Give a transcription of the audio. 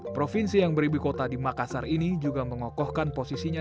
provinsi yang beribu kota di makassar ini juga mengokohkan posisinya